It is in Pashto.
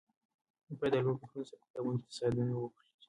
باید د لوړو فکرونو سره په کتابونو کې تضادونه ولري.